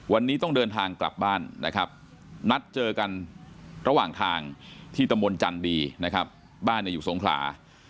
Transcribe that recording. วันนี้ต้องเดินทางกลับบ้านนะครับนัดเจอกันระหว่างทางที่ตะมนต์จันดีนะครับบ้านอยู่สงขลา